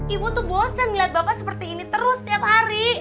ibu tuh bosan melihat bapak seperti ini terus setiap hari